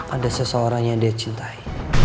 ada seseorang yang dia cintai